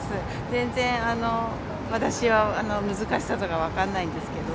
全然、私は難しさとかは分かんないんですけど。